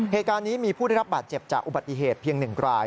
เหตุการณ์นี้มีผู้ได้รับบาดเจ็บจากอุบัติเหตุเพียง๑ราย